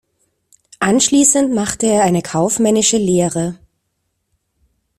Anschließend machte er eine kaufmännische Lehre.